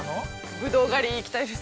◆ブドウ狩り、行きたいです。